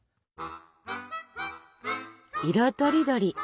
色とりどり！